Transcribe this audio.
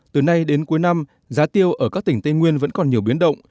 từ nay đến cuối năm giá tiêu ở các tỉnh tây nguyên vẫn còn nhiều biến động